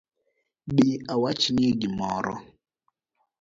Bi awachnie gimoro